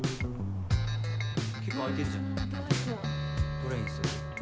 どれにする？